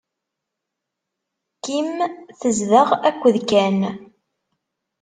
Kim tezdeɣ akked Ken.